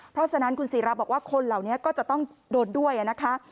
เพราะฉะนั้นคุณศิราบอกว่าคนเหล่านี้ก็จะต้องโดนด้วยนะคะ